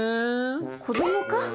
子どもか！